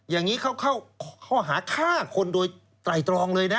อย่างนี้เข้าข้อหาฆ่าคนโดยไตรตรองเลยนะ